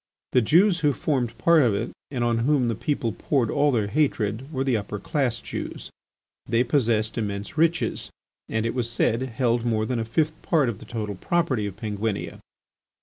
The Jews who formed part of it and on whom the people poured all their hatred were the upper class Jews. They possessed immense riches and, it was said, held more than a fifth part of the total property of Penguinia.